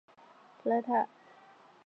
普赖萨。